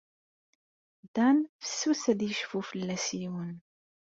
Dan fessus ad yecfu fell-as yiwen.